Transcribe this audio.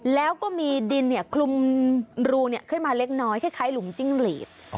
แล้วก็มีดินคลุมรูขึ้นมาเล็กน้อยคล้ายหลุมจิ้งหลีด